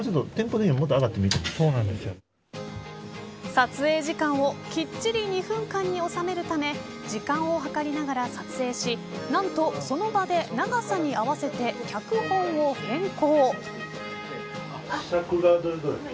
撮影時間をきっちり２分間に収めるため時間を計りながら撮影しなんと、その場で長さに合わせて脚本を変更。